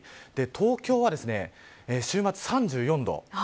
東京は、週末３４度。